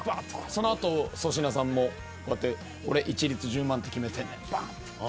その後、粗品さんも俺、一律１０万って決めてんねんって。